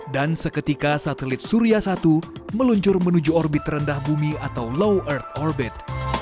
dan seketika satelit surya satu meluncur menuju orbit rendah bumi atau low earth orbit